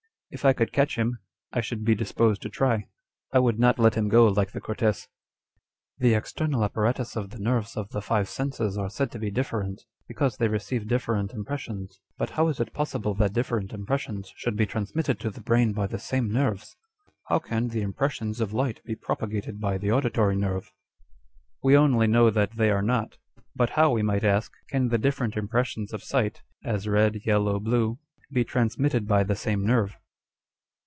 If I could catch him, I should be disposed to try. I would not let him go, like the Cortes. 1 Page 171. 2 Page 205. 3 Page 219. '208 On Dr. Spurzlieims Theory. " The external apparatus of the nerves of the five senses are said to be different, because they receive different impressions : but how is it possible that different impres sions should be transmitted to the brain by the same nerves ? How can the impressions of light be propagated by the auditory nerve ?" 1 We only know that they are not. But how, we might ask, can the different impressions of sight â€" as red, yellow, blue â€" be transmitted by the same nerve